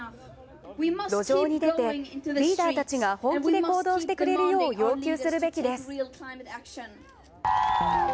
路上に出てリーダーたちが本気で行動してくれるよう要求するべきです。